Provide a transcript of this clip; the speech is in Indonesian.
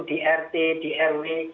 di rt di rw